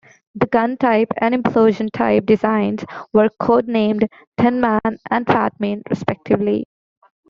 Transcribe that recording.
The gun-type and implosion-type designs were codenamed "Thin Man" and "Fat Man" respectively.